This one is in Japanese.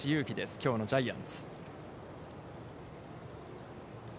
きょうのジャイアンツ。